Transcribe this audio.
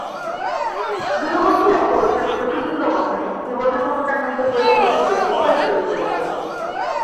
দূরবর্তী লক্ষ্যবস্তুর প্রতিবিম্ব গঠনে বিবর্ধন ক্ষমতা নির্ভর করে লেন্সের ফোকাস দূরত্বের উপর।